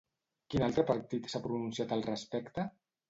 Quin altre partit s'ha pronunciat al respecte?